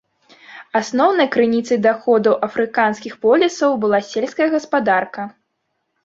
Асноўнай крыніцай даходаў афрыканскіх полісаў была сельская гаспадарка.